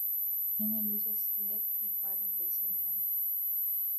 Tiene luces led y faros de xenón.